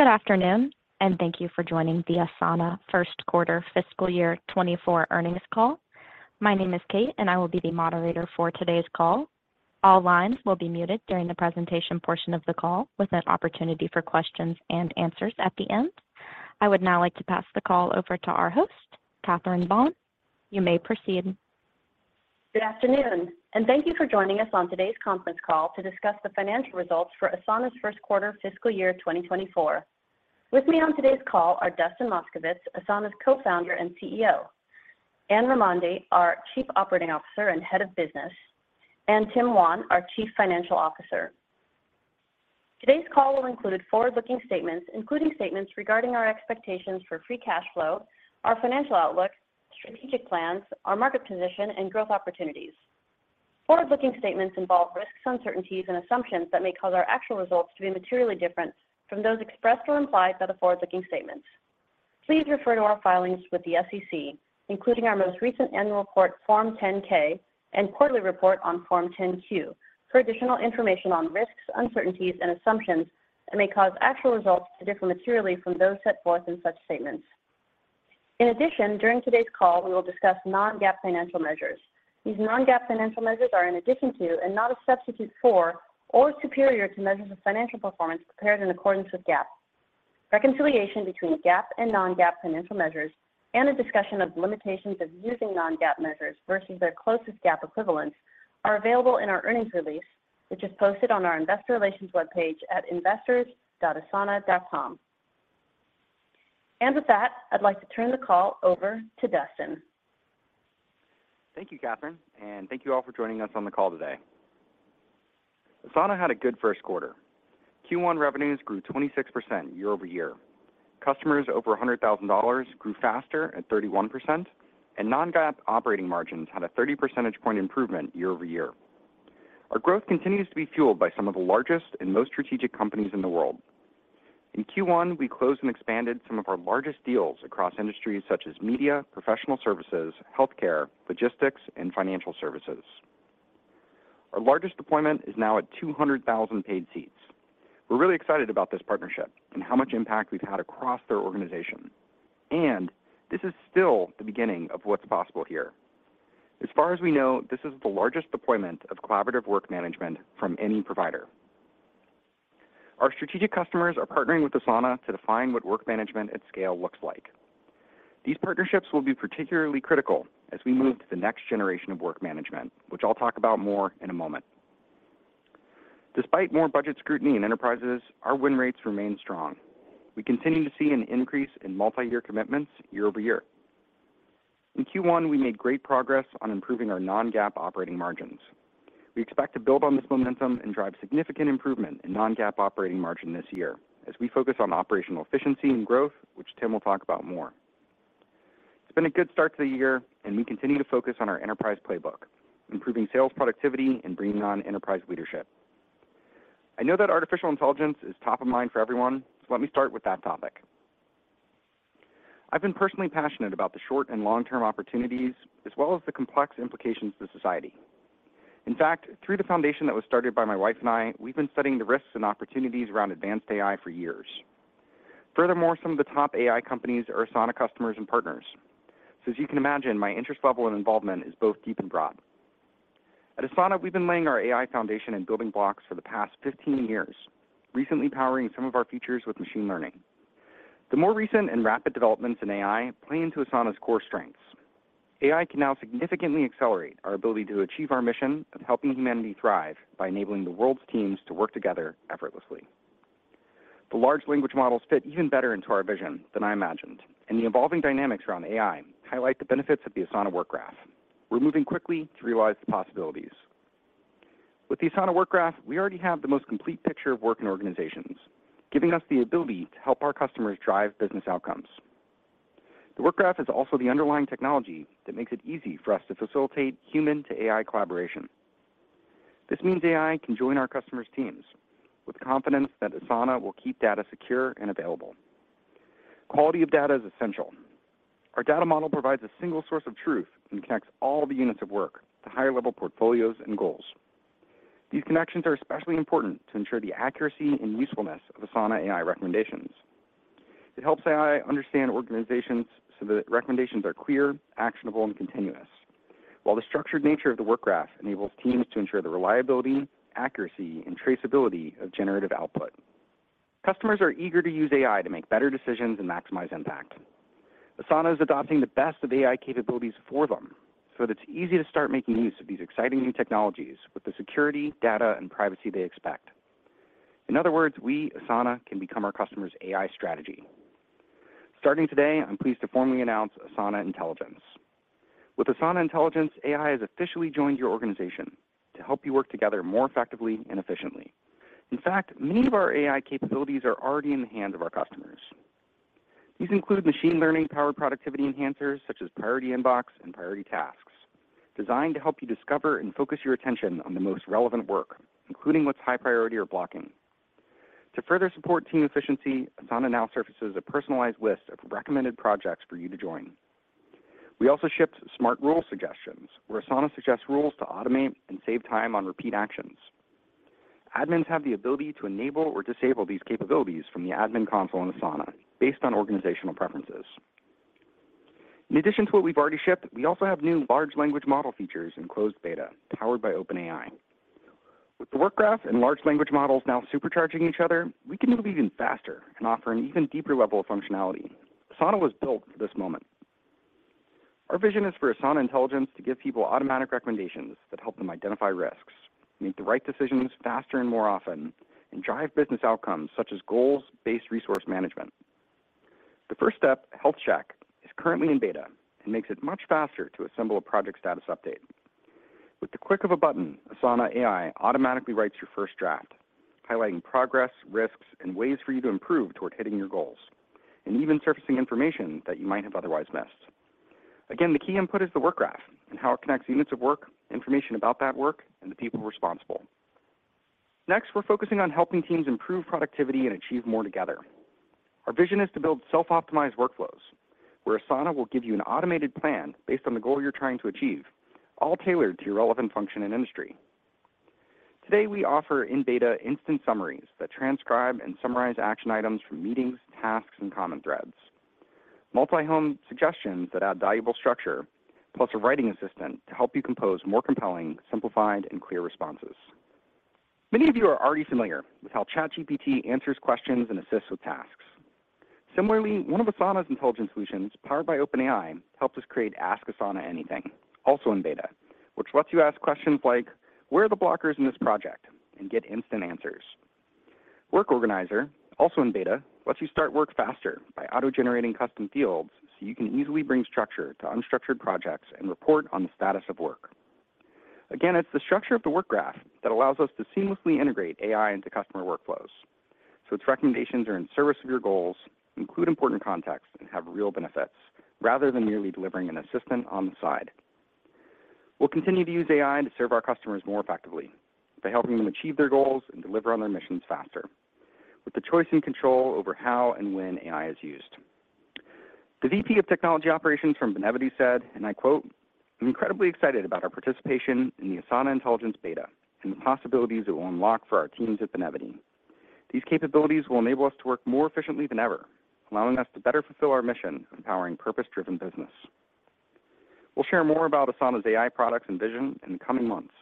Good afternoon. Thank you for joining the Asana First Quarter Fiscal Year 2024 Earnings Call. My name is Kate, and I will be the moderator for today's call. All lines will be muted during the presentation portion of the call, with an opportunity for questions and answers at the end. I would now like to pass the call over to our host, Catherine Buan. You may proceed. Good afternoon, and thank you for joining us on today's conference call to discuss the financial results for Asana's first quarter fiscal year 2024. With me on today's call are Dustin Moskovitz, Asana's Co-founder and CEO, Anne Raimondi, our Chief Operating Officer and Head of Business, and Tim Wan, our Chief Financial Officer. Today's call will include forward-looking statements, including statements regarding our expectations for free cash flow, our financial outlook, strategic plans, our market position, and growth opportunities. Forward-looking statements involve risks, uncertainties, and assumptions that may cause our actual results to be materially different from those expressed or implied by the forward-looking statements. Please refer to our filings with the SEC, including our most recent annual report, Form 10-K, and quarterly report on Form 10-Q, for additional information on risks, uncertainties, and assumptions that may cause actual results to differ materially from those set forth in such statements. During today's call, we will discuss non-GAAP financial measures. These non-GAAP financial measures are in addition to, and not a substitute for, or superior to, measures of financial performance prepared in accordance with GAAP. Reconciliation between GAAP and non-GAAP financial measures and a discussion of limitations of using non-GAAP measures versus their closest GAAP equivalents are available in our earnings release, which is posted on our investor relations webpage at investors.asana.com. With that, I'd like to turn the call over to Dustin. Thank you, Catherine. Thank you all for joining us on the call today. Asana had a good first quarter. Q1 revenues grew 26% year-over-year. Customers over $100,000 grew faster at 31%, and non-GAAP operating margins had a 30 percentage point improvement year-over-year. Our growth continues to be fueled by some of the largest and most strategic companies in the world. In Q1, we closed and expanded some of our largest deals across industries such as media, professional services, healthcare, logistics, and financial services. Our largest deployment is now at 200,000 paid seats. We're really excited about this partnership and how much impact we've had across their organization, and this is still the beginning of what's possible here. As far as we know, this is the largest deployment of collaborative work management from any provider. Our strategic customers are partnering with Asana to define what work management at scale looks like. These partnerships will be particularly critical as we move to the next generation of work management, which I'll talk about more in a moment. Despite more budget scrutiny in enterprises, our win rates remain strong. We continue to see an increase in multi-year commitments year-over-year. In Q1, we made great progress on improving our non-GAAP operating margins. We expect to build on this momentum and drive significant improvement in non-GAAP operating margin this year as we focus on operational efficiency and growth, which Tim will talk about more. It's been a good start to the year, we continue to focus on our enterprise playbook, improving sales productivity and bringing on enterprise leadership. I know that artificial intelligence is top of mind for everyone, let me start with that topic. I've been personally passionate about the short and long-term opportunities, as well as the complex implications to society. In fact, through the foundation that was started by my wife and I, we've been studying the risks and opportunities around advanced AI for years. Furthermore, some of the top AI companies are Asana customers and partners. As you can imagine, my interest level and involvement is both deep and broad. At Asana, we've been laying our AI foundation and building blocks for the past 15 years, recently powering some of our features with machine learning. The more recent and rapid developments in AI play into Asana's core strengths. AI can now significantly accelerate our ability to achieve our mission of helping humanity thrive by enabling the world's teams to work together effortlessly. The large language models fit even better into our vision than I imagined, and the evolving dynamics around AI highlight the benefits of the Asana Work Graph. We're moving quickly to realize the possibilities. With the Asana Work Graph, we already have the most complete picture of work in organizations, giving us the ability to help our customers drive business outcomes. The Work Graph is also the underlying technology that makes it easy for us to facilitate human-to-AI collaboration. This means AI can join our customers' teams with confidence that Asana will keep data secure and available. Quality of data is essential. Our data model provides a single source of truth and connects all the units of work to higher-level portfolios and goals. These connections are especially important to ensure the accuracy and usefulness of Asana AI recommendations. It helps AI understand organizations so that recommendations are clear, actionable, and continuous. While the structured nature of the Work Graph enables teams to ensure the reliability, accuracy, and traceability of generative output, customers are eager to use AI to make better decisions and maximize impact. Asana is adopting the best of AI capabilities for them, so that it's easy to start making use of these exciting new technologies with the security, data, and privacy they expect. In other words, we, Asana, can become our customers' AI strategy. Starting today, I'm pleased to formally announce Asana Intelligence. With Asana Intelligence, AI has officially joined your organization to help you work together more effectively and efficiently. In fact, many of our AI capabilities are already in the hands of our customers. These include machine learning-powered productivity enhancers, such as Priority Inbox and Priority Tasks, designed to help you discover and focus your attention on the most relevant work, including what's high priority or blocking. To further support team efficiency, Asana now surfaces a personalized list of recommended projects for you to join. We also shipped smart rule suggestions, where Asana suggests rules to automate and save time on repeat actions. Admins have the ability to enable or disable these capabilities from the admin console in Asana based on organizational preferences. In addition to what we've already shipped, we also have new large language model features in closed beta, powered by OpenAI. With the Work Graph and large language models now supercharging each other, we can move even faster and offer an even deeper level of functionality. Asana was built for this moment. Our vision is for Asana Intelligence to give people automatic recommendations that help them identify risks, make the right decisions faster and more often, and drive business outcomes such as goals-based resource management. The first step, Health Check, is currently in beta and makes it much faster to assemble a project status update. With the click of a button, Asana AI automatically writes your first draft, highlighting progress, risks, and ways for you to improve toward hitting your goals, and even surfacing information that you might have otherwise missed. Again, the key input is the Work Graph and how it connects units of work, information about that work, and the people responsible. Next, we're focusing on helping teams improve productivity and achieve more together. Our vision is to build self-optimized workflows, where Asana will give you an automated plan based on the goal you're trying to achieve, all tailored to your relevant function and industry. Today, we offer in-beta instant summaries that transcribe and summarize action items from meetings, tasks, and comment threads, multi-home suggestions that add valuable structure, plus a writing assistant to help you compose more compelling, simplified, and clear responses. Many of you are already familiar with how ChatGPT answers questions and assists with tasks. Similarly, one of Asana's intelligence solutions, powered by OpenAI, helps us create Ask Asana Anything, also in beta, which lets you ask questions like, where are the blockers in this project? Get instant answers. Work Organizer, also in beta, lets you start work faster by auto-generating custom fields, so you can easily bring structure to unstructured projects and report on the status of work. Again, it's the structure of the Work Graph that allows us to seamlessly integrate AI into customer workflows, so its recommendations are in service of your goals, include important context, and have real benefits, rather than merely delivering an assistant on the side. We'll continue to use AI to serve our customers more effectively by helping them achieve their goals and deliver on their missions faster, with the choice and control over how and when AI is used. The VP of Technology Operations from Benevity said, and I quote, I'm incredibly excited about our participation in the Asana Intelligence beta and the possibilities it will unlock for our teams at Benevity. These capabilities will enable us to work more efficiently than ever, allowing us to better fulfill our mission, empowering purpose-driven business. We'll share more about Asana's AI products and vision in the coming months,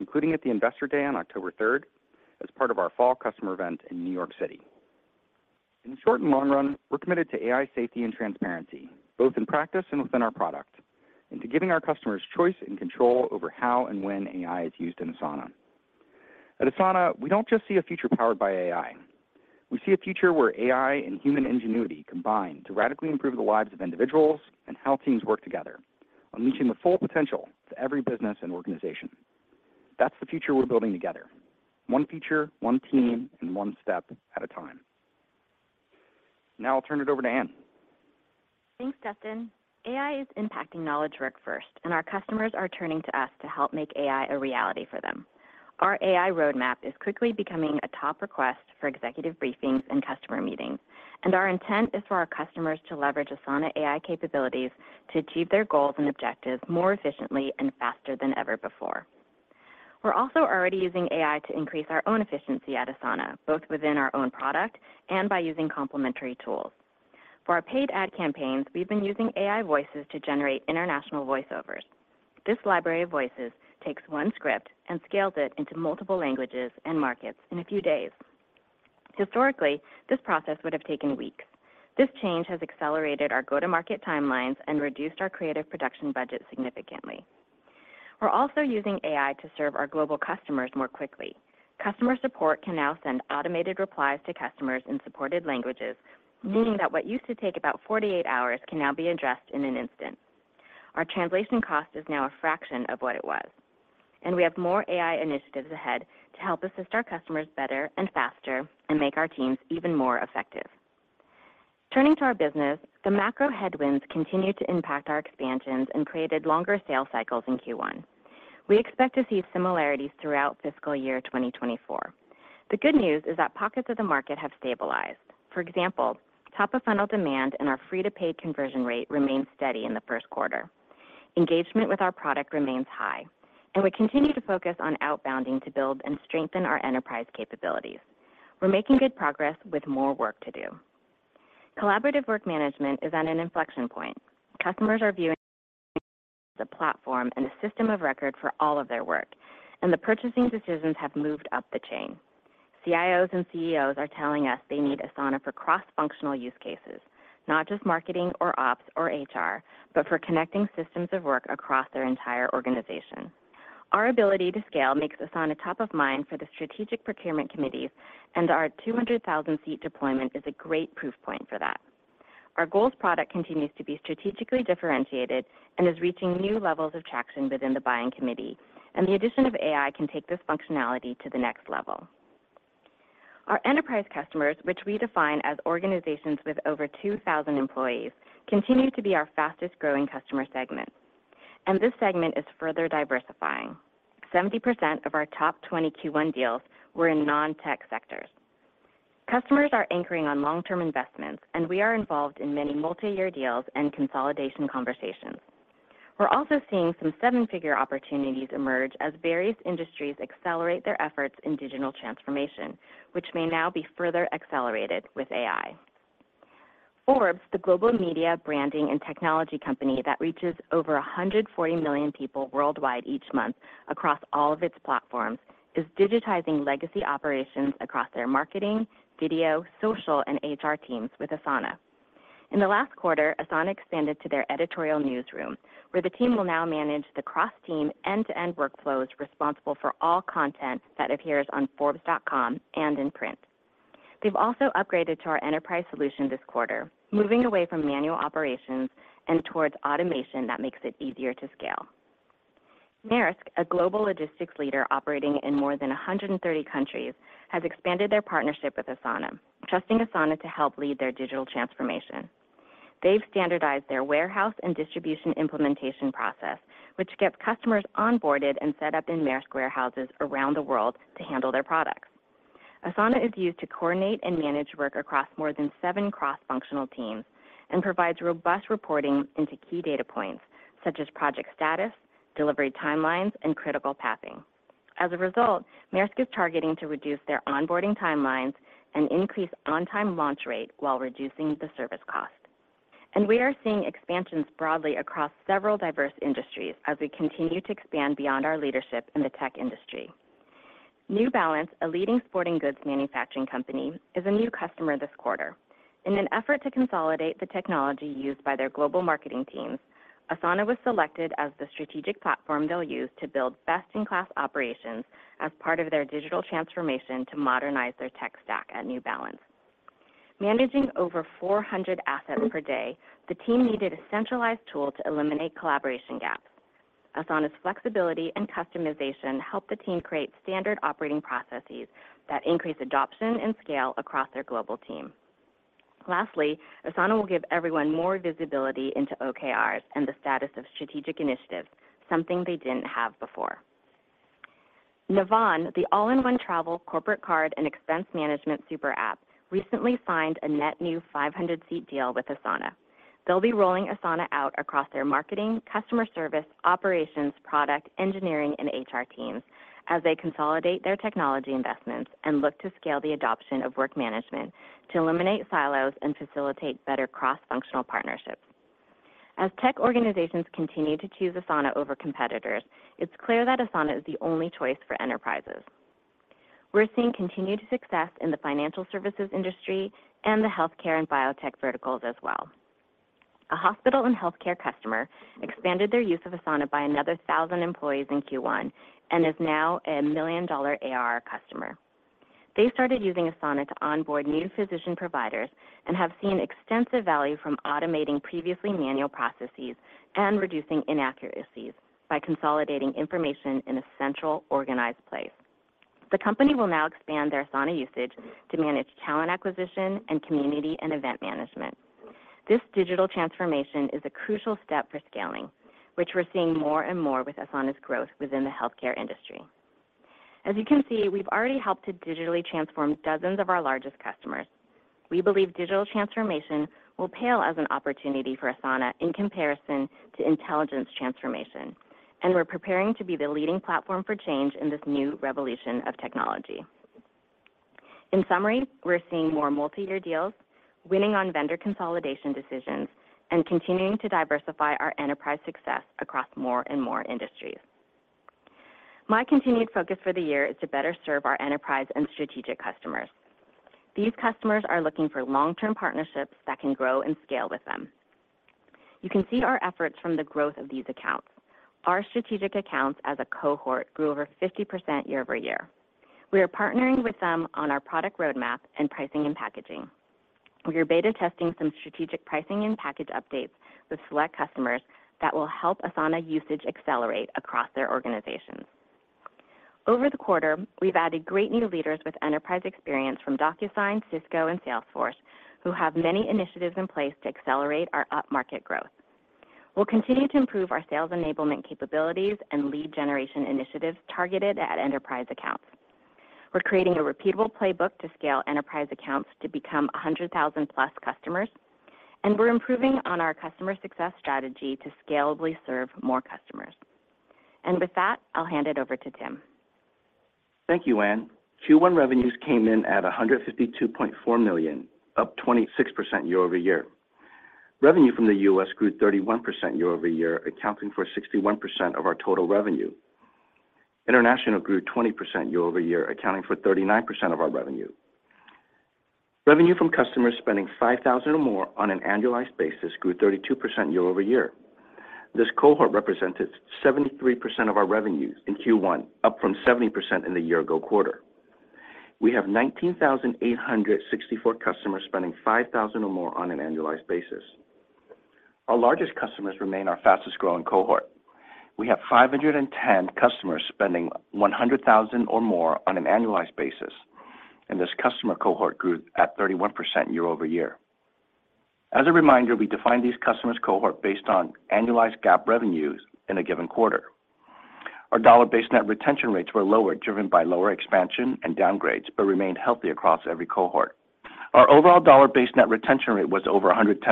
including at the Investor Day on October third, as part of our fall customer event in New York City. In the short and long run, we're committed to AI safety and transparency, both in practice and within our product, and to giving our customers choice and control over how and when AI is used in Asana. At Asana, we don't just see a future powered by AI. We see a future where AI and human ingenuity combine to radically improve the lives of individuals and how teams work together, unleashing the full potential to every business and organization. That's the future we're building together, one feature, one team, and one step at a time. Now I'll turn it over to Anne. Thanks, Dustin. AI is impacting knowledge work first. Our customers are turning to us to help make AI a reality for them. Our AI roadmap is quickly becoming a top request for executive briefings and customer meetings. Our intent is for our customers to leverage Asana AI capabilities to achieve their goals and objectives more efficiently and faster than ever before. We're also already using AI to increase our own efficiency at Asana, both within our own product and by using complementary tools. For our paid ad campaigns, we've been using AI voices to generate international voiceovers. This library of voices takes one script and scales it into multiple languages and markets in a few days. Historically, this process would have taken weeks. This change has accelerated our go-to-market timelines and reduced our creative production budget significantly. We're also using AI to serve our global customers more quickly. Customer support can now send automated replies to customers in supported languages, meaning that what used to take about 48 hours can now be addressed in an instant. Our translation cost is now a fraction of what it was, and we have more AI initiatives ahead to help assist our customers better and faster and make our teams even more effective. Turning to our business, the macro headwinds continued to impact our expansions and created longer sales cycles in Q1. We expect to see similarities throughout fiscal year 2024. The good news is that pockets of the market have stabilized. For example, top-of-funnel demand and our free-to-paid conversion rate remained steady in the first quarter. Engagement with our product remains high, and we continue to focus on outbounding to build and strengthen our enterprise capabilities. We're making good progress with more work to do. Collaborative work management is at an inflection point. Customers are viewing the platform and the system of record for all of their work. The purchasing decisions have moved up the chain. CIOs and CEOs are telling us they need Asana for cross-functional use cases, not just marketing or ops or HR, but for connecting systems of work across their entire organization. Our ability to scale makes Asana top of mind for the strategic procurement committees. Our 200,000 seat deployment is a great proof point for that. Our goals product continues to be strategically differentiated and is reaching new levels of traction within the buying committee. The addition of AI can take this functionality to the next level. Our enterprise customers, which we define as organizations with over 2,000 employees, continue to be our fastest-growing customer segment. This segment is further diversifying. 70% of our top 20 Q1 deals were in non-tech sectors. Customers are anchoring on long-term investments, and we are involved in many multi-year deals and consolidation conversations. We're also seeing some 7-figure opportunities emerge as various industries accelerate their efforts in digital transformation, which may now be further accelerated with AI. Forbes, the global media, branding, and technology company that reaches over 140 million people worldwide each month across all of its platforms, is digitizing legacy operations across their marketing, video, social, and HR teams with Asana. In the last quarter, Asana expanded to their editorial newsroom, where the team will now manage the cross-team, end-to-end workflows responsible for all content that appears on forbes.com and in print. They've also upgraded to our enterprise solution this quarter, moving away from manual operations and towards automation that makes it easier to scale. Maersk, a global logistics leader operating in more than 130 countries, has expanded their partnership with Asana, trusting Asana to help lead their digital transformation. They've standardized their warehouse and distribution implementation process, which gets customers onboarded and set up in Maersk warehouses around the world to handle their products. Asana is used to coordinate and manage work across more than seven cross-functional teams and provides robust reporting into key data points such as project status, delivery timelines, and critical pathing. As a result, Maersk is targeting to reduce their onboarding timelines and increase on-time launch rate while reducing the service cost. We are seeing expansions broadly across several diverse industries as we continue to expand beyond our leadership in the tech industry. New Balance, a leading sporting goods manufacturing company, is a new customer this quarter. In an effort to consolidate the technology used by their global marketing teams, Asana was selected as the strategic platform they'll use to build best-in-class operations as part of their digital transformation to modernize their tech stack at New Balance. Managing over 400 assets per day, the team needed a centralized tool to eliminate collaboration gaps. Asana's flexibility and customization helped the team create standard operating processes that increase adoption and scale across their global team. Lastly, Asana will give everyone more visibility into OKRs and the status of strategic initiatives, something they didn't have before. Navan, the all-in-one travel, corporate card, and expense management super app, recently signed a net new 500 seat deal with Asana. They'll be rolling Asana out across their marketing, customer service, operations, product, engineering, and HR teams as they consolidate their technology investments and look to scale the adoption of work management to eliminate silos and facilitate better cross-functional partnerships. As tech organizations continue to choose Asana over competitors, it's clear that Asana is the only choice for enterprises. We're seeing continued success in the financial services industry and the healthcare and biotech verticals as well. A hospital and healthcare customer expanded their use of Asana by another 1,000 employees in Q1 and is now a $1 million AR customer. They started using Asana to onboard new physician providers and have seen extensive value from automating previously manual processes and reducing inaccuracies by consolidating information in a central, organized place. The company will now expand their Asana usage to manage talent acquisition and community and event management. This digital transformation is a crucial step for scaling, which we're seeing more and more with Asana's growth within the healthcare industry. As you can see, we've already helped to digitally transform dozens of our largest customers. We believe digital transformation will pale as an opportunity for Asana in comparison to intelligence transformation, and we're preparing to be the leading platform for change in this new revolution of technology. In summary, we're seeing more multi-year deals, winning on vendor consolidation decisions, and continuing to diversify our enterprise success across more and more industries. My continued focus for the year is to better serve our enterprise and strategic customers. These customers are looking for long-term partnerships that can grow and scale with them. You can see our efforts from the growth of these accounts. Our strategic accounts as a cohort grew over 50% year-over-year. We are partnering with them on our product roadmap and pricing and packaging. We are beta testing some strategic pricing and package updates with select customers that will help Asana usage accelerate across their organizations. Over the quarter, we've added great new leaders with enterprise experience from DocuSign, Cisco, and Salesforce, who have many initiatives in place to accelerate our upmarket growth. We'll continue to improve our sales enablement capabilities and lead generation initiatives targeted at enterprise accounts. We're creating a repeatable playbook to scale enterprise accounts to become 100,000-plus customers, and we're improving on our customer success strategy to scalably serve more customers. With that, I'll hand it over to Tim. Thank you, Anne. Q1 revenues came in at $152.4 million, up 26% year-over-year. Revenue from the U.S. grew 31% year-over-year, accounting for 61% of our total revenue. International grew 20% year-over-year, accounting for 39% of our revenue. Revenue from customers spending $5,000 or more on an annualized basis grew 32% year-over-year. This cohort represented 73% of our revenues in Q1, up from 70% in the year-ago quarter. We have 19,864 customers spending $5,000 or more on an annualized basis. Our largest customers remain our fastest-growing cohort. We have 510 customers spending $100,000 or more on an annualized basis, and this customer cohort grew at 31% year-over-year. As a reminder, we define these customers cohort based on annualized GAAP revenues in a given quarter. Our dollar-based net retention rates were lower, driven by lower expansion and downgrades, but remained healthy across every cohort. Our overall dollar-based net retention rate was over 110%.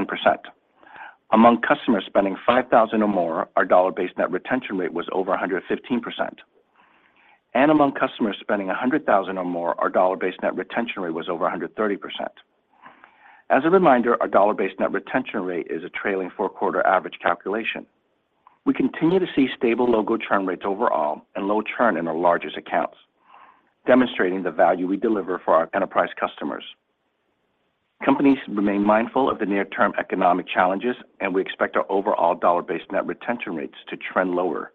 Among customers spending $5,000 or more, our dollar-based net retention rate was over 115%. Among customers spending $100,000 or more, our dollar-based net retention rate was over 130%. As a reminder, our dollar-based net retention rate is a trailing four-quarter average calculation. We continue to see stable logo churn rates overall and low churn in our largest accounts, demonstrating the value we deliver for our enterprise customers. Companies remain mindful of the near-term economic challenges, and we expect our overall dollar-based net retention rates to trend lower,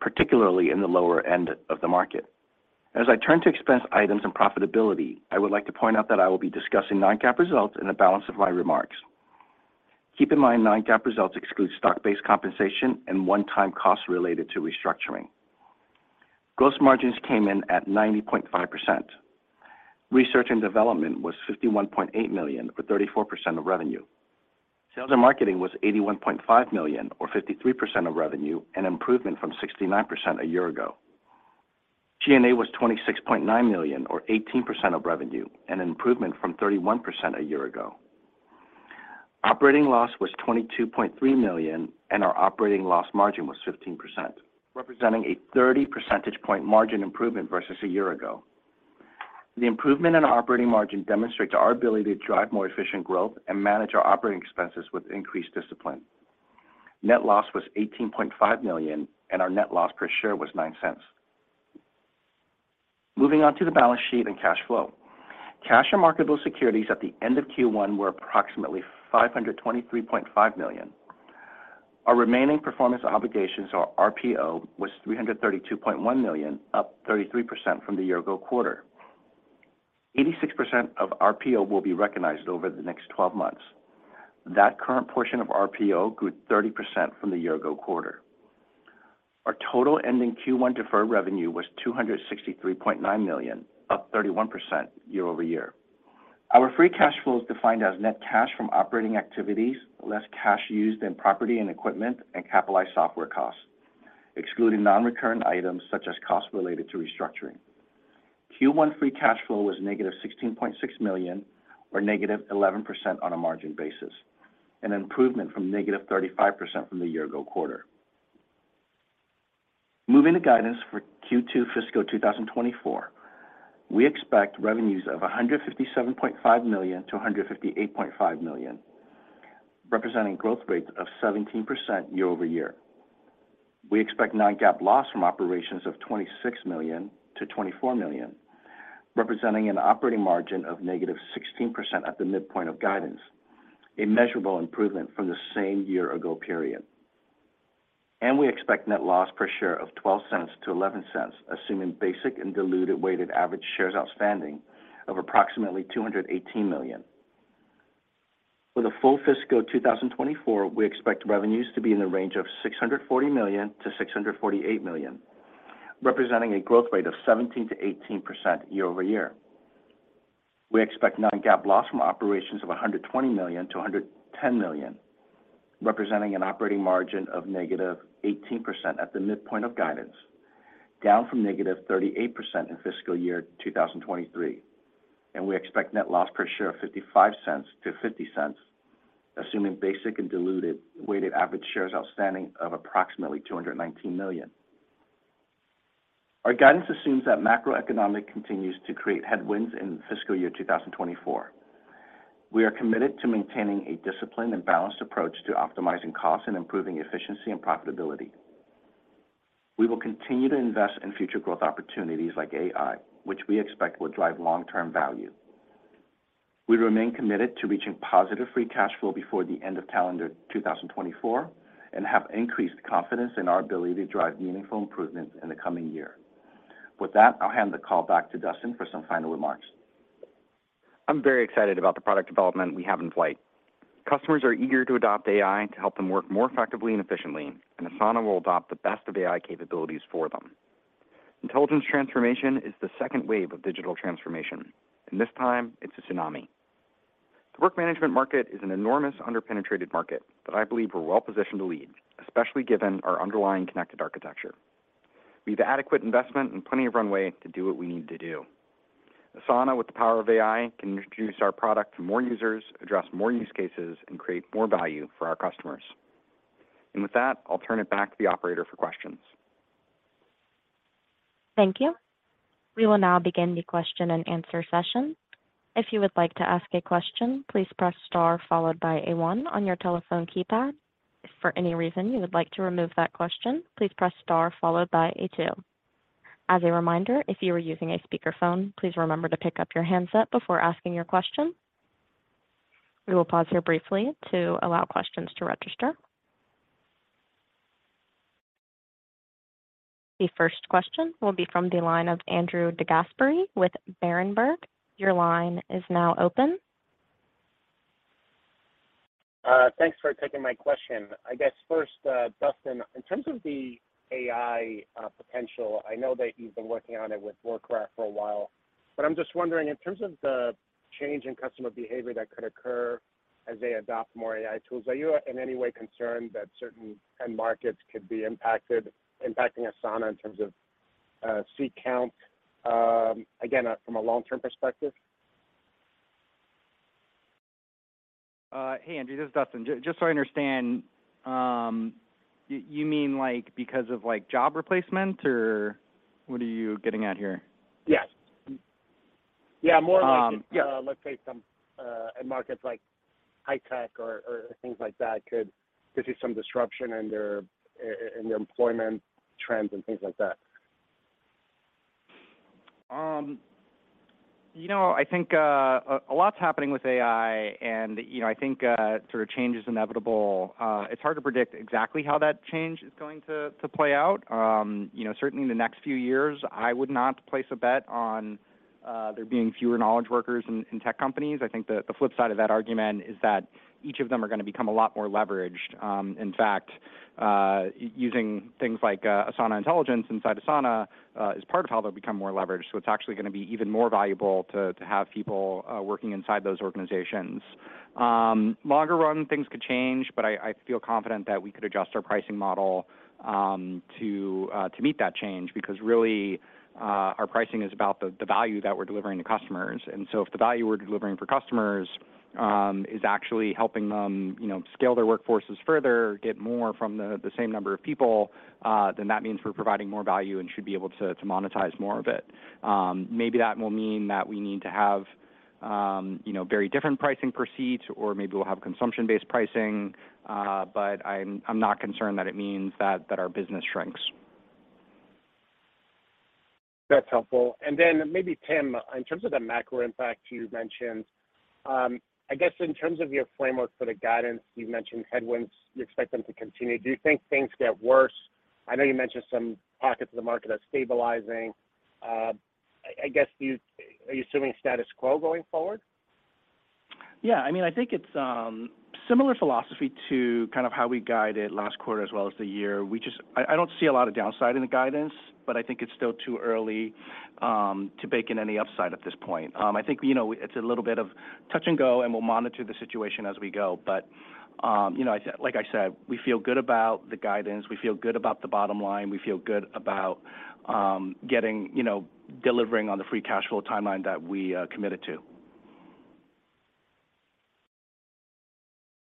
particularly in the lower end of the market. As I turn to expense items and profitability, I would like to point out that I will be discussing non-GAAP results in the balance of my remarks. Keep in mind, non-GAAP results exclude stock-based compensation and one-time costs related to restructuring. Gross margins came in at 90.5%. Research and development was $51.8 million, or 34% of revenue. Sales and marketing was $81.5 million, or 53% of revenue, an improvement from 69% a year ago. G&A was $26.9 million, or 18% of revenue, an improvement from 31% a year ago. Operating loss was $22.3 million, and our operating loss margin was 15%, representing a 30 percentage point margin improvement versus a year ago. The improvement in operating margin demonstrates our ability to drive more efficient growth and manage our operating expenses with increased discipline. Net loss was $18.5 million, and our net loss per share was $0.09. Moving on to the balance sheet and cash flow. Cash and marketable securities at the end of Q1 were approximately $523.5 million. Our remaining performance obligations, or RPO, was $332.1 million, up 33% from the year ago quarter. 86% of RPO will be recognized over the next 12 months. That current portion of RPO grew 30% from the year ago quarter. Our total ending Q1 deferred revenue was $263.9 million, up 31% year-over-year. Our free cash flow is defined as net cash from operating activities, less cash used in property and equipment and capitalized software costs, excluding non-recurrent items such as costs related to restructuring. Q1 free cash flow was -$16.6 million, or -11% on a margin basis, an improvement from -35% from the year-ago quarter. Moving to guidance for Q2 fiscal 2024. We expect revenues of $157.5 million-$158.5 million, representing growth rates of 17% year-over-year. We expect non-GAAP loss from operations of $26 million-$24 million, representing an operating margin of -16% at the midpoint of guidance, a measurable improvement from the same year-ago period. We expect net loss per share of $0.12-$0.11, assuming basic and diluted weighted average shares outstanding of approximately 218 million. For the full fiscal 2024, we expect revenues to be in the range of $640 million-$648 million, representing a growth rate of 17%-18% year-over-year. We expect non-GAAP loss from operations of $120 million-$110 million, representing an operating margin of -18% at the midpoint of guidance, down from -38% in fiscal year 2023. We expect net loss per share of $0.55-$0.50, assuming basic and diluted weighted average shares outstanding of approximately 219 million. Our guidance assumes that macroeconomic continues to create headwinds in fiscal year 2024. We are committed to maintaining a disciplined and balanced approach to optimizing costs and improving efficiency and profitability. We will continue to invest in future growth opportunities like AI, which we expect will drive long-term value. We remain committed to reaching positive free cash flow before the end of calendar 2024 and have increased confidence in our ability to drive meaningful improvements in the coming year. With that, I'll hand the call back to Dustin for some final remarks. I'm very excited about the product development we have in flight. Customers are eager to adopt AI to help them work more effectively and efficiently. Asana will adopt the best of AI capabilities for them. Intelligence transformation is the second wave of digital transformation. This time it's a tsunami. The collaborative work management market is an enormous, under-penetrated market that I believe we're well positioned to lead, especially given our underlying connected architecture. We have adequate investment and plenty of runway to do what we need to do. Asana, with the power of AI, can introduce our product to more users, address more use cases, and create more value for our customers. With that, I'll turn it back to the operator for questions. Thank you. We will now begin the question-and-answer session. If you would like to ask a question, please press star followed by a one on your telephone keypad. If for any reason you would like to remove that question, please press star followed by a two. As a reminder, if you are using a speakerphone, please remember to pick up your handset before asking your question. We will pause here briefly to allow questions to register. The first question will be from the line of Andrew DeGasperi with Berenberg. Your line is now open. Thanks for taking my question. I guess first, Dustin, in terms of the AI potential, I know that you've been working on it with Work Graph for a while, but I'm just wondering, in terms of the change in customer behavior that could occur as they adopt more AI tools, are you in any way concerned that certain end markets could be impacting Asana in terms of seat count, again, from a long-term perspective? Hey, Andrew, this is Dustin. Just so I understand, you mean, like, because of, like, job replacement, or what are you getting at here? Yes. Yeah. let's say some, end markets like high tech or things like that could see some disruption in their in their employment trends and things like that. You know, I think, a lot's happening with AI and, you know, I think, sort of change is inevitable. It's hard to predict exactly how that change is going to play out. You know, certainly in the next few years, I would not place a bet on there being fewer knowledge workers in tech companies. I think the flip side of that argument is that each of them are gonna become a lot more leveraged. In fact, using things like Asana Intelligence inside Asana is part of how they'll become more leveraged. It's actually gonna be even more valuable to have people working inside those organizations. Longer run, things could change, but I feel confident that we could adjust our pricing model to meet that change, because really our pricing is about the value that we're delivering to customers. If the value we're delivering for customers is actually helping them, you know, scale their workforces further, get more from the same number of people, then that means we're providing more value and should be able to monetize more of it. Maybe that will mean that we need to have, you know, very different pricing proceeds, or maybe we'll have consumption-based pricing, but I'm not concerned that it means that our business shrinks. That's helpful. Maybe, Tim, in terms of the macro impact you mentioned, I guess in terms of your framework for the guidance, you mentioned headwinds, you expect them to continue. Do you think things get worse? I know you mentioned some pockets of the market are stabilizing. I guess are you assuming status quo going forward? Yeah. I mean, I think it's similar philosophy to kind of how we guided last quarter as well as the year. I don't see a lot of downside in the guidance, but I think it's still too early to bake in any upside at this point. I think, you know, it's a little bit of touch and go, and we'll monitor the situation as we go, but, you know, like I said, we feel good about the guidance. We feel good about the bottom line. We feel good about getting, you know, delivering on the free cash flow timeline that we committed to.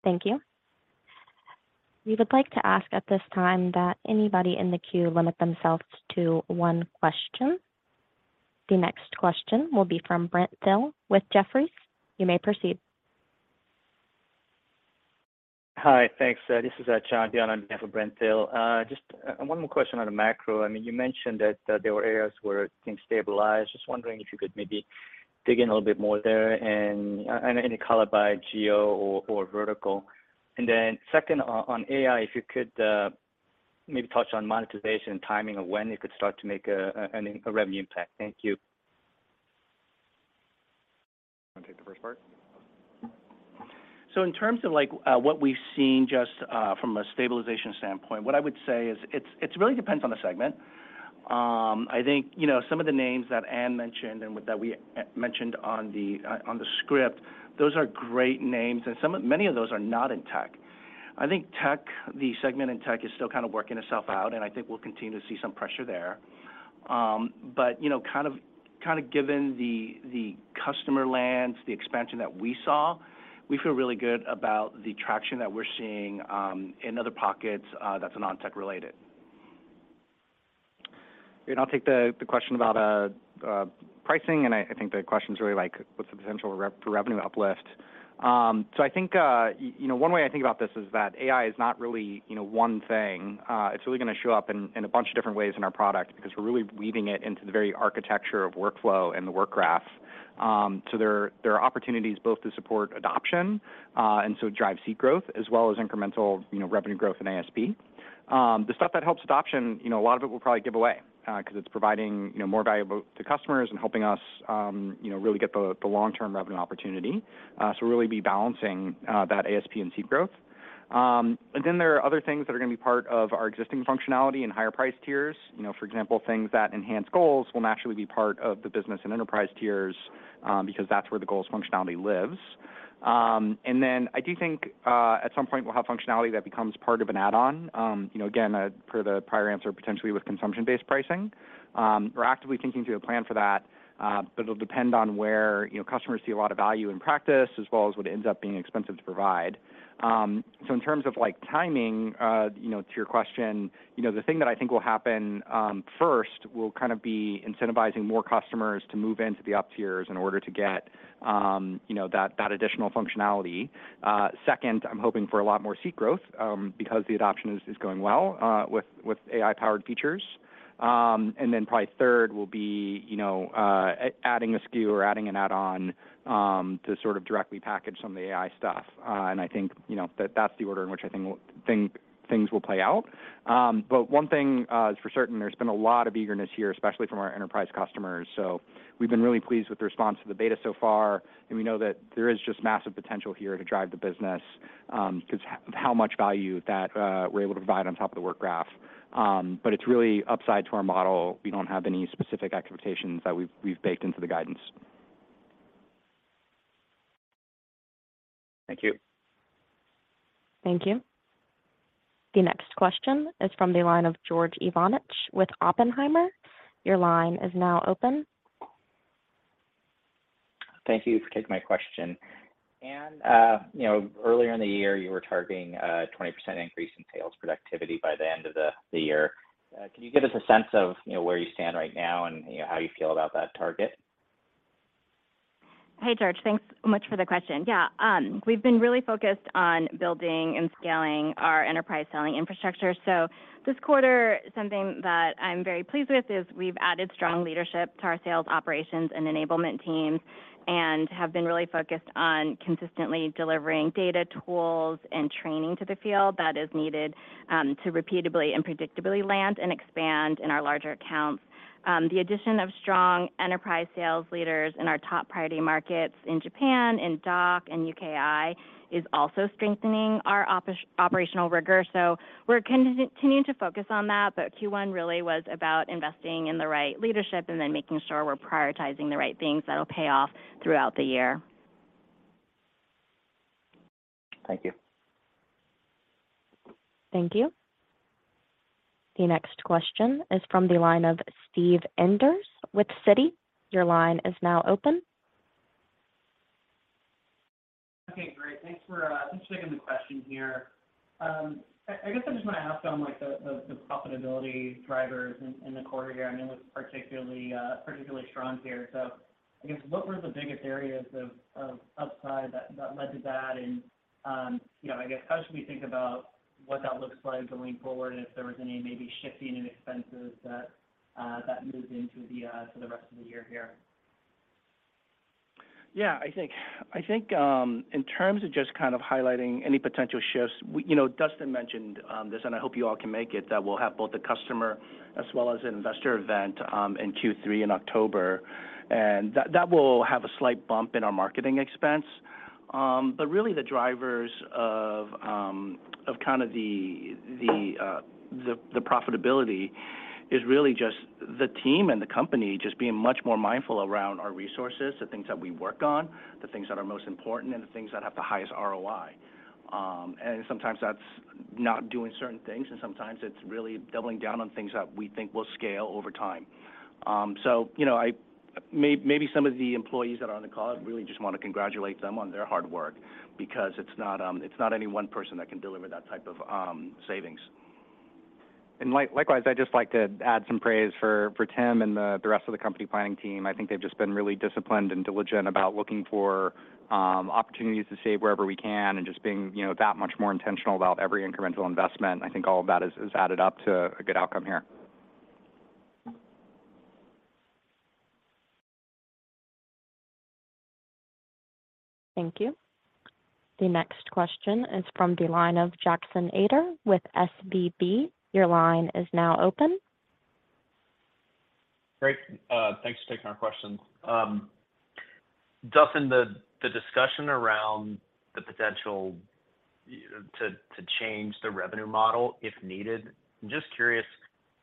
Thank you. We would like to ask at this time that anybody in the queue limit themselves to one question. The next question will be from Brent Thill with Jefferies. You may proceed. Hi, thanks. This is John Byun, I'm here for Brent Thill. Just one more question on the macro. I mean, you mentioned that there were areas where things stabilized. Just wondering if you could maybe dig in a little bit more there, and any color by geo or vertical. Then second, on AI, if you could maybe touch on monetization and timing of when it could start to make a revenue impact. Thank you. Wanna take the first part? In terms of, like, what we've seen just from a stabilization standpoint, what I would say is it's really depends on the segment. I think, you know, some of the names that Anne mentioned and that we mentioned on the script, those are great names, and many of those are not in tech. I think tech, the segment in tech is still kind of working itself out, and I think we'll continue to see some pressure there. You know, kind of given the customer lands, the expansion that we saw, we feel really good about the traction that we're seeing in other pockets that's non-tech related. I'll take the question about pricing, and I think the question is really like what's the potential revenue uplift? I think, you know, one way I think about this is that AI is not really, you know, one thing. It's really gonna show up in a bunch of different ways in our product, because we're really weaving it into the very architecture of workflow and the Work Graph. There, there are opportunities both to support adoption, and so drive seat growth, as well as incremental, you know, revenue growth and ASP. The stuff that helps adoption, you know, a lot of it we'll probably give away, because it's providing, you know, more value to customers and helping us, you know, really get the long-term revenue opportunity. Really be balancing that ASP and seat growth. Then there are other things that are gonna be part of our existing functionality and higher price tiers. You know, for example, things that enhance goals will naturally be part of the business and enterprise tiers, because that's where the goals functionality lives. Then I do think at some point, we'll have functionality that becomes part of an add-on. You know, again, per the prior answer, potentially with consumption-based pricing. We're actively thinking through a plan for that, but it'll depend on where, you know, customers see a lot of value in practice, as well as what ends up being expensive to provide. In terms of, like, timing, to your question, the thing that I think will happen first will kind of be incentivizing more customers to move into the up tiers in order to get that additional functionality. Second, I'm hoping for a lot more seat growth because the adoption is going well with AI-powered features. Probably third will be adding a SKU or adding an add-on to sort of directly package some of the AI stuff. I think that's the order in which I think things will play out. One thing is for certain, there's been a lot of eagerness here, especially from our enterprise customers. We've been really pleased with the response to the beta so far, and we know that there is just massive potential here to drive the business, 'cause how much value that we're able to provide on top of the Work Graph. It's really upside to our model. We don't have any specific expectations that we've baked into the guidance. Thank you. Thank you. The next question is from the line of George Iwanyc with Oppenheimer. Your line is now open. Thank you for taking my question. Anne, you know, earlier in the year, you were targeting a 20% increase in sales productivity by the end of the year. Can you give us a sense of, you know, where you stand right now and, you know, how you feel about that target? Hey, George, thanks so much for the question. We've been really focused on building and scaling our enterprise selling infrastructure. This quarter, something that I'm very pleased with, is we've added strong leadership to our sales operations and enablement teams, and have been really focused on consistently delivering data tools and training to the field that is needed to repeatably and predictably land and expand in our larger accounts. The addition of strong enterprise sales leaders in our top priority markets in Japan, in DACH, and UKI, is also strengthening our operational rigor. We're continuing to focus on that, but Q1 really was about investing in the right leadership and then making sure we're prioritizing the right things that'll pay off throughout the year. Thank you. Thank you. The next question is from the line of Steve Enders with Citi. Your line is now open. Okay, great. Thanks for thanks for taking the question here. I guess I just wanna ask on, like, the profitability drivers in the quarter here. I know it was particularly strong here. I guess what were the biggest areas of upside that led to that? You know, I guess, how should we think about what that looks like going forward, and if there was any maybe shifting in expenses that moves into for the rest of the year here? Yeah, I think, in terms of just kind of highlighting any potential shifts, you know, Dustin mentioned this, and I hope you all can make it, that we'll have both a customer as well as an investor event in Q3 in October. That will have a slight bump in our marketing expense. Really, the drivers of kind of the profitability is really just the team and the company just being much more mindful around our resources, the things that we work on, the things that are most important, and the things that have the highest ROI. Sometimes that's not doing certain things, and sometimes it's really doubling down on things that we think will scale over time. You know, maybe some of the employees that are on the call, I really just want to congratulate them on their hard work, because it's not, it's not any one person that can deliver that type of savings. Likewise, I'd just like to add some praise for Tim and the rest of the company planning team. I think they've just been really disciplined and diligent about looking for opportunities to save wherever we can and just being, you know, that much more intentional about every incremental investment. I think all of that has added up to a good outcome here. Thank you. The next question is from the line of Jackson Ader with SVB. Your line is now open. Great. Thanks for taking our questions. Dustin, the discussion around the potential to change the revenue model, if needed, I'm just curious,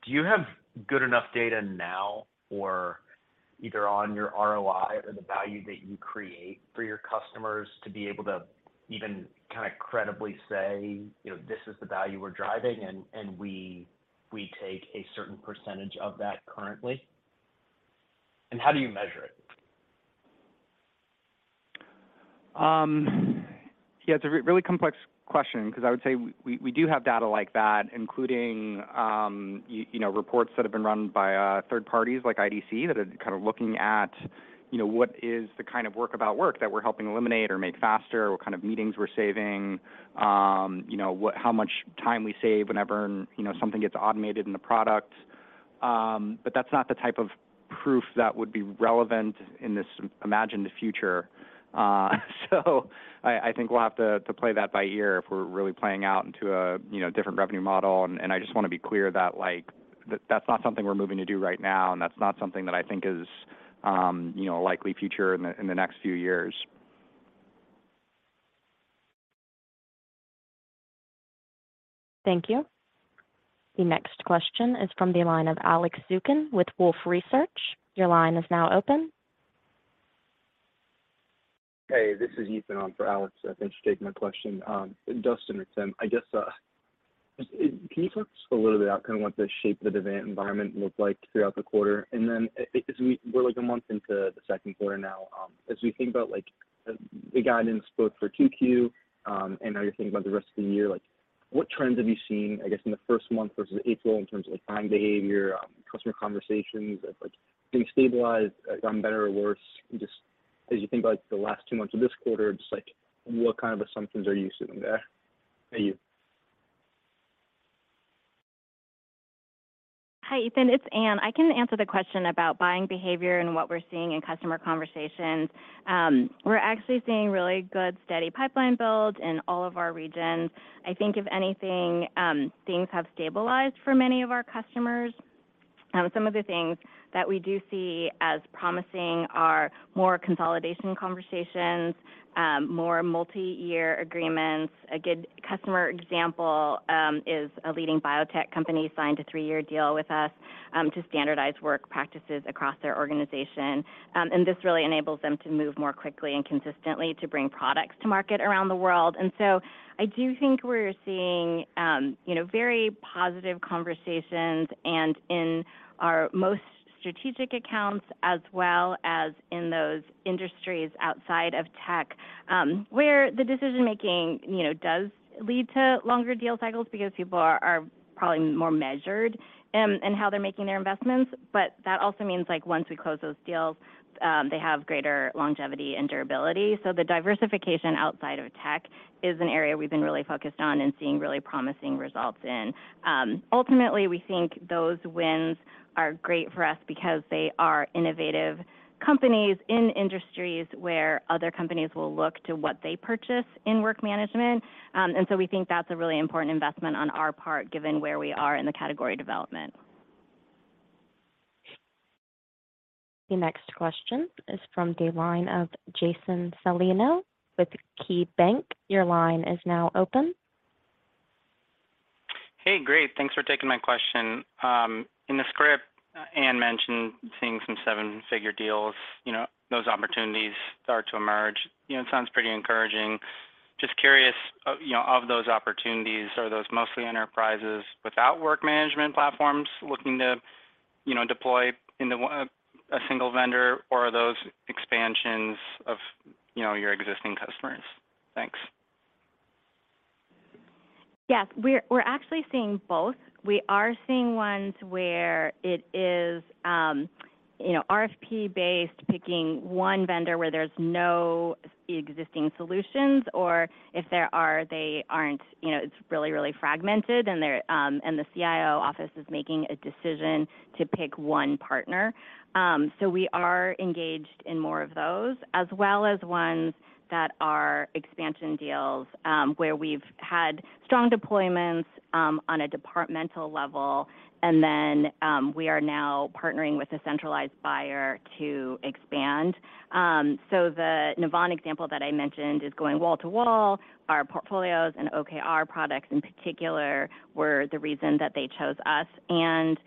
do you have good enough data now or either on your ROI or the value that you create for your customers, to be able to even kind of credibly say, you know, this is the value we're driving, and we take a certain percentage of that currently, How do you measure it? Yeah, it's a really complex question, 'cause I would say we do have data like that, including, you know, reports that have been run by third parties like IDC, that are kind of looking at, you know, what is the kind of work about work that we're helping eliminate or make faster, what kind of meetings we're saving, you know, how much time we save whenever, you know, something gets automated in the product. That's not the type of proof that would be relevant in this imagined future. I think we'll have to play that by ear if we're really playing out into a, you know, different revenue model. I just wanna be clear that, like, that's not something we're moving to do right now, and that's not something that I think is, you know, a likely future in the, in the next few years. Thank you. The next question is from the line of Alex Zukin with Wolfe Research. Your line is now open. Hey, this is Ethan on for Alex. Thanks for taking my question. Dustin and Tim, I guess, can you talk just a little bit about kind of what the shape of the event environment looked like throughout the quarter? As we're, like, a month into the second quarter now, as we think about, like, the guidance both for 2Q, now you're thinking about the rest of the year, like, what trends have you seen, I guess, in the first month versus April in terms of, like, time behavior, customer conversations? Like, things stabilized, gotten better or worse? As you think about the last two months of this quarter, just like what kind of assumptions are you seeing there? Thank you. Hi, Ethan, it's Anne. I can answer the question about buying behavior and what we're seeing in customer conversations. We're actually seeing really good, steady pipeline build in all of our regions. I think if anything, things have stabilized for many of our customers. Some of the things that we do see as promising are more consolidation conversations, more multi-year agreements. A good customer example, is a leading biotech company signed a 3-year deal with us, to standardize work practices across their organization. This really enables them to move more quickly and consistently to bring products to market around the world. I do think we're seeing, you know, very positive conversations and in our most strategic accounts, as well as in those industries outside of tech, where the decision-making, you know, does lead to longer deal cycles because people are probably more measured in how they're making their investments. That also means, like, once we close those deals, they have greater longevity and durability. The diversification outside of tech is an area we've been really focused on and seeing really promising results in. Ultimately, we think those wins are great for us because they are innovative companies in industries where other companies will look to what they purchase in work management. We think that's a really important investment on our part, given where we are in the category development. The next question is from the line of Jason Celino with KeyBanc. Your line is now open. Hey, great. Thanks for taking my question. In the script, Anne mentioned seeing some seven-figure deals. You know, those opportunities start to emerge. You know, it sounds pretty encouraging. Just curious, you know, of those opportunities, are those mostly enterprises without work management platforms looking to, you know, deploy into a single vendor, or are those expansions of, you know, your existing customers? Thanks. Yes, we're actually seeing both. We are seeing ones where it is, you know, RFP-based, picking one vendor where there's no existing solutions, or if there are, they aren't. You know, it's really fragmented, and the CIO office is making a decision to pick one partner. We are engaged in more of those, as well as ones that are expansion deals, where we've had strong deployments, on a departmental level, and then, we are now partnering with a centralized buyer to expand. The Navan example that I mentioned is going wall to wall. Our portfolios and OKR products, in particular, were the reason that they chose us, and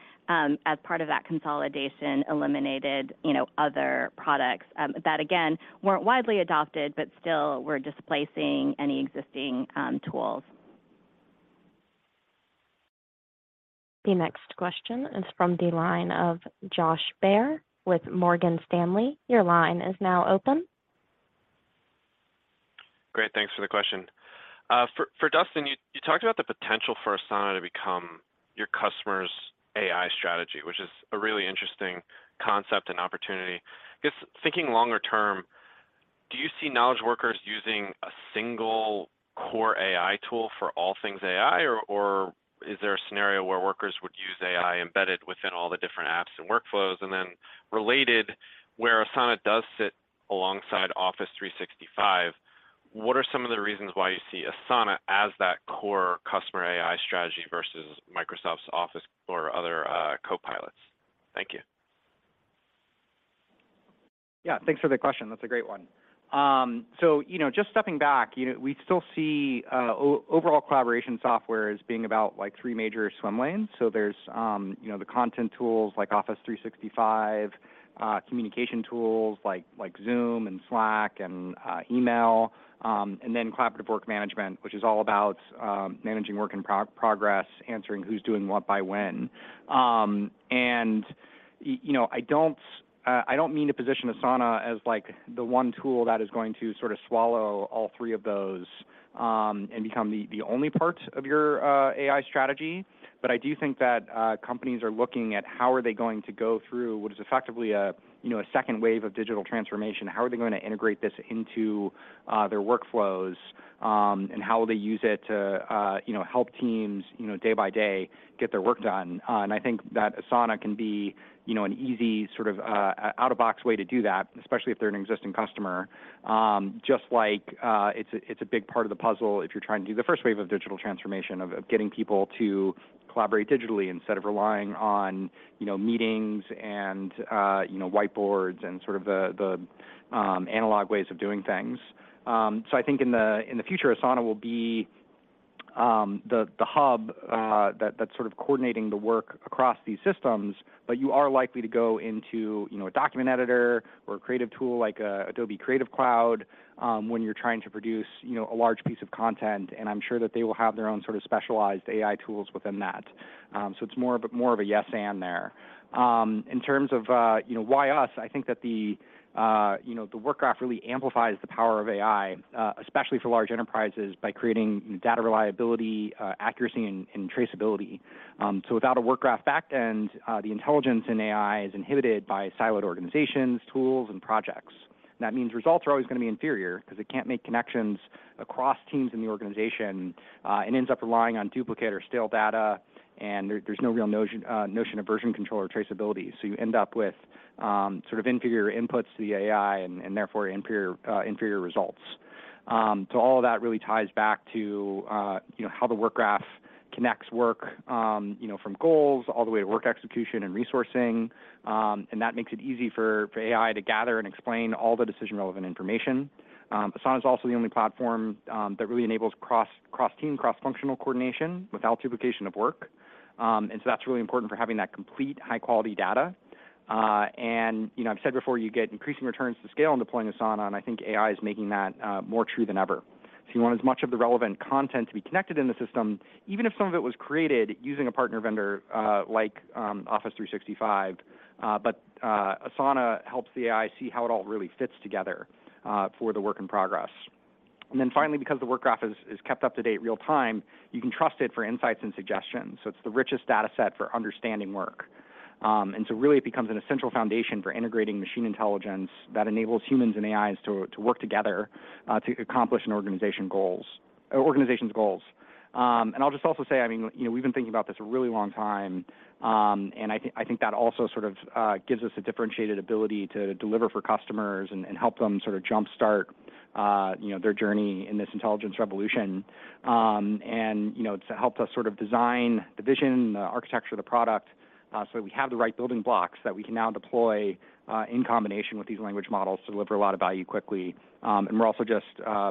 as part of that consolidation, eliminated, you know, other products, that, again, weren't widely adopted, but still were displacing any existing, tools. The next question is from the line of Josh Baer with Morgan Stanley. Your line is now open. Great, thanks for the question. for Dustin, you talked about the potential for Asana to become your customer's AI strategy, which is a really interesting concept and opportunity. I guess, thinking longer term, do you see knowledge workers using a single core AI tool for all things AI, or is there a scenario where workers would use AI embedded within all the different apps and workflows? Then, related, where Asana does sit alongside Microsoft 365, what are some of the reasons why you see Asana as that core customer AI strategy versus Microsoft's Office or other Copilot? Thank you. Yeah, thanks for the question. That's a great one. You know, just stepping back, you know, we still see overall collaboration software as being about, like, three major swim lanes. There's, you know, the content tools like Office 365, communication tools like Zoom and Slack and email, and then collaborative work management, which is all about managing work in progress, answering who's doing what by when. You know, I don't mean to position Asana as, like, the 1 tool that is going to sort of swallow all three of those and become the only part of your AI strategy. I do think that companies are looking at how are they going to go through what is effectively a, you know, a second wave of digital transformation? How are they going to integrate this into their workflows, and how will they use it to, you know, help teams, you know, day by day, get their work done? I think that Asana can be, you know, an easy, sort of, out-of-box way to do that, especially if they're an existing customer. Just like, it's a big part of the puzzle if you're trying to do the first wave of digital transformation, of getting people to collaborate digitally instead of relying on, you know, meetings and, you know, whiteboards and sort of the analog ways of doing things. I think in the future, Asana will be the hub that's sort of coordinating the work across these systems, but you are likely to go into, you know, a document editor or a creative tool like Adobe Creative Cloud, when you're trying to produce, you know, a large piece of content, and I'm sure that they will have their own sort of specialized AI tools within that. It's more of a yes, and there. In terms of why us, I think that the Work Graph really amplifies the power of AI, especially for large enterprises, by creating data reliability, accuracy, and traceability. Without a Work Graph back end, the intelligence in AI is inhibited by siloed organizations, tools, and projects.... That means results are always going to be inferior because it can't make connections across teams in the organization and ends up relying on duplicate or stale data, and there's no real notion of version control or traceability. You end up with sort of inferior inputs to the AI and therefore inferior results. All of that really ties back to, you know, how the Work Graph connects work, you know, from goals all the way to work execution and resourcing, and that makes it easy for AI to gather and explain all the decision-relevant information. Asana is also the only platform that really enables cross-team, cross-functional coordination without duplication of work. That's really important for having that complete high-quality data. You know, I've said before, you get increasing returns to scale in deploying Asana, and I think AI is making that more true than ever. You want as much of the relevant content to be connected in the system, even if some of it was created using a partner vendor, like Office 365. Asana helps the AI see how it all really fits together for the work in progress. Finally, because the Work Graph is kept up to date real time, you can trust it for insights and suggestions, so it's the richest data set for understanding work. Really it becomes an essential foundation for integrating machine intelligence that enables humans and AIs to work together to accomplish an organization goals, organization's goals. I'll just also say, we've been thinking about this a really long time. I think that also sort of gives us a differentiated ability to deliver for customers and help them sort of jump-start their journey in this intelligence revolution. It's helped us sort of design the vision, the architecture of the product, so that we have the right building blocks that we can now deploy in combination with these language models to deliver a lot of value quickly. We're also just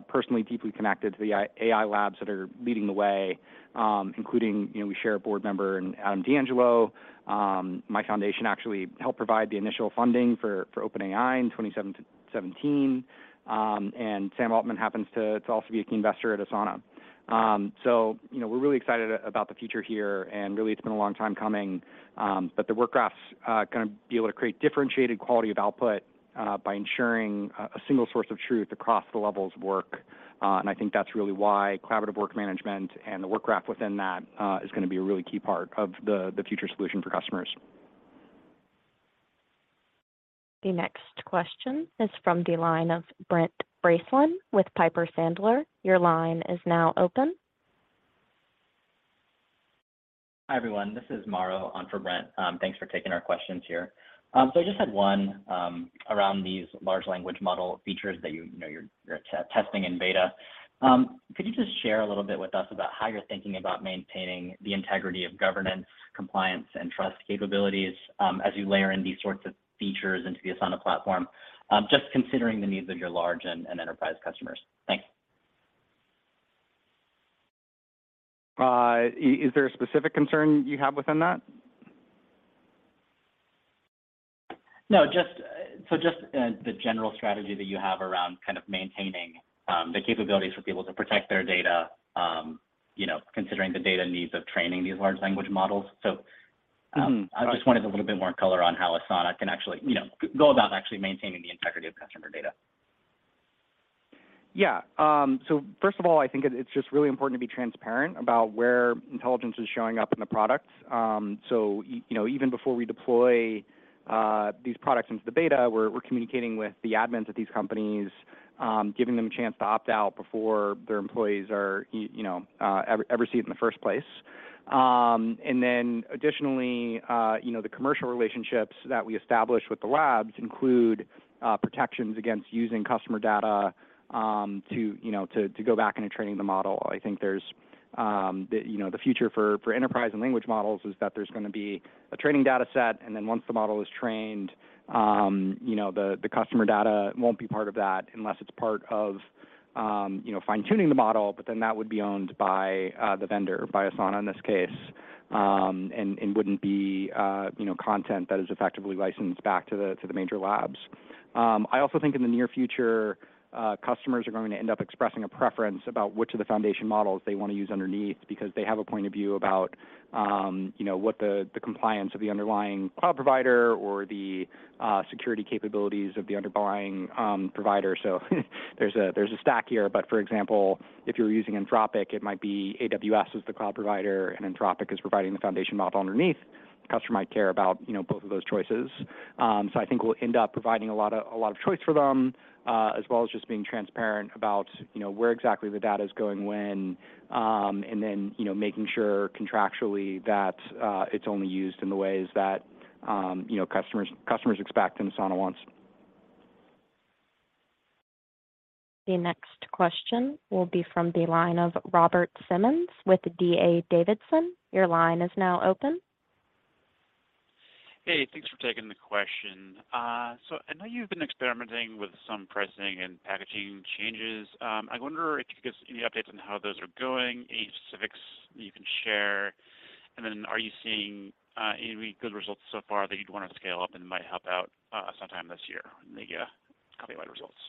personally deeply connected to the AI labs that are leading the way, including we share a board member in Adam D'Angelo. My foundation actually helped provide the initial funding for OpenAI in 2015 to 2017, and Sam Altman happens to also be a key investor at Asana. You know, we're really excited about the future here, and really, it's been a long time coming. The Work Graph's gonna be able to create differentiated quality of output by ensuring a single source of truth across the levels of work, I think that's really why collaborative work management and the Work Graph within that is gonna be a really key part of the future solution for customers. The next question is from the line of Brent Bracelin with Piper Sandler. Your line is now open. Hi, everyone. This is Mauro on for Brent. Thanks for taking our questions here. I just had one around these large language model features that you know, you're testing in beta. Could you just share a little bit with us about how you're thinking about maintaining the integrity of governance, compliance, and trust capabilities as you layer in these sorts of features into the Asana platform? Just considering the needs of your large and enterprise customers. Thanks. Is there a specific concern you have within that? Just the general strategy that you have around kind of maintaining the capabilities for people to protect their data, you know, considering the data needs of training these large language models. Mm-hmm. I just wanted a little bit more color on how Asana can actually, you know, go about actually maintaining the integrity of customer data. First of all, I think it's just really important to be transparent about where intelligence is showing up in the product. You know, even before we deploy these products into the beta, we're communicating with the admins at these companies, giving them a chance to opt out before their employees ever see it in the first place. Additionally, you know, the commercial relationships that we establish with the labs include protections against using customer data, you know, to go back into training the model. I think there's, the, you know, the future for enterprise and language models is that there's gonna be a training data set, and then once the model is trained, you know, the customer data won't be part of that unless it's part of, you know, fine-tuning the model, but then that would be owned by the vendor, by Asana in this case, and wouldn't be, you know, content that is effectively licensed back to the major labs. I also think in the near future, customers are going to end up expressing a preference about which of the foundation models they want to use underneath because they have a point of view about, you know, what the compliance of the underlying cloud provider or the security capabilities of the underlying provider. There's a stack here, but for example, if you're using Anthropic, it might be AWS as the cloud provider, and Anthropic is providing the foundation model underneath. The customer might care about, you know, both of those choices. I think we'll end up providing a lot of choice for them, as well as just being transparent about, you know, where exactly the data is going when, and then, you know, making sure contractually that it's only used in the ways that, you know, customers expect and Asana wants. The next question will be from the line of Robert Simmons with D.A. Davidson. Your line is now open. Hey, thanks for taking the question. I know you've been experimenting with some pricing and packaging changes. I wonder if you could give us any updates on how those are going, any specifics that you can share? Then, are you seeing any good results so far that you'd want to scale up and might help out sometime this year in the Copilot results?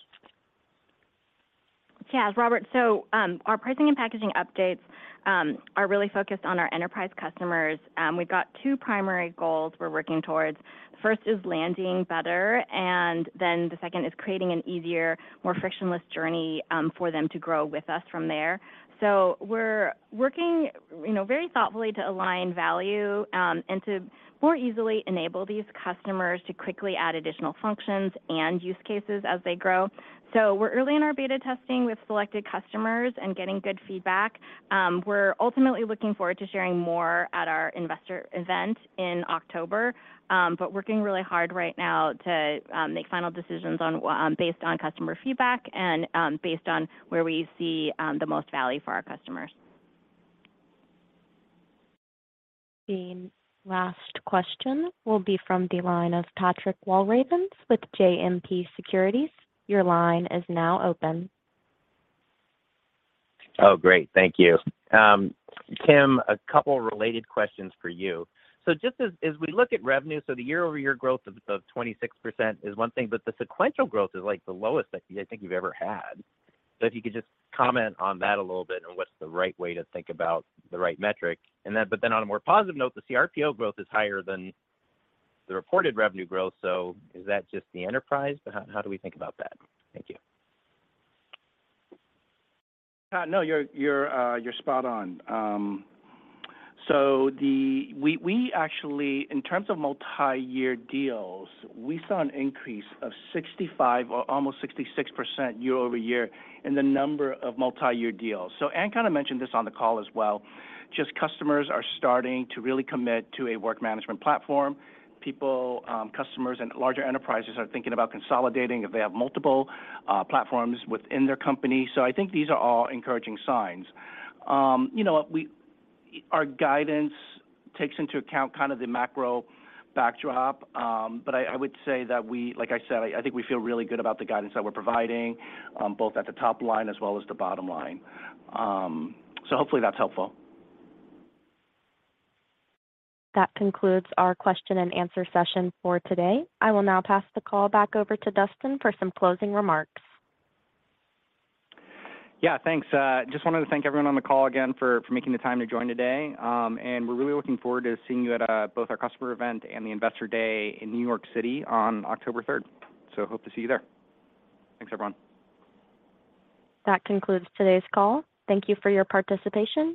Yeah, Robert, our pricing and packaging updates are really focused on our enterprise customers. We've got two primary goals we're working towards. First is landing better. The second is creating an easier, more frictionless journey for them to grow with us from there. We're working, you know, very thoughtfully to align value and to more easily enable these customers to quickly add additional functions and use cases as they grow. We're early in our beta testing with selected customers and getting good feedback. We're ultimately looking forward to sharing more at our investor event in October. Working really hard right now to make final decisions on based on customer feedback and based on where we see the most value for our customers. The last question will be from the line of Patrick Walravens with JMP Securities. Your line is now open. Oh, great. Thank you. Tim, a couple related questions for you. Just as we look at revenue, so the year-over-year growth of 26% is one thing, but the sequential growth is, like, the lowest I think you've ever had. If you could just comment on that a little bit, and what's the right way to think about the right metric? On a more positive note, the CRPO growth is higher than the reported revenue growth, so is that just the enterprise? How do we think about that? Thank you. No, you're, you're spot on. We actually, in terms of multiyear deals, we saw an increase of 65%, or almost 66% year-over-year in the number of multiyear deals. Anne kind of mentioned this on the call as well, just customers are starting to really commit to a work management platform. People, customers, and larger enterprises are thinking about consolidating if they have multiple platforms within their company. I think these are all encouraging signs. You know what? We, our guidance takes into account kind of the macro backdrop, but I would say that we like I said, I think we feel really good about the guidance that we're providing, both at the top line as well as the bottom line. Hopefully that's helpful. That concludes our question and answer session for today. I will now pass the call back over to Dustin for some closing remarks. Yeah, thanks. Just wanted to thank everyone on the call again for making the time to join today. We're really looking forward to seeing you at both our customer event and the Investor Day in New York City on October 3rd. Hope to see you there. Thanks, everyone. That concludes today's call. Thank you for your participation.